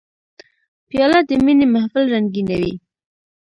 پیاله د مینې محفل رنګینوي.